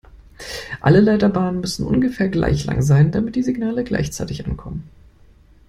Alle Leiterbahnen müssen ungefähr gleich lang sein, damit die Signale gleichzeitig ankommen.